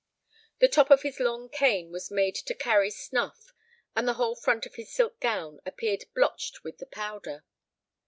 The top of his long cane was made to carry snuff, and the whole front of his silk gown appeared blotched with the powder.